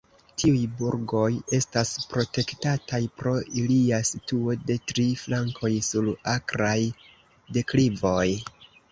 Tiuj burgoj estas protektataj pro ilia situo de tri flankoj sur akraj deklivoj.